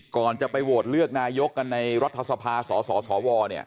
ก่อนจะไปโหวตเลือกนายกในรัฐสภาสสสวเนี่ย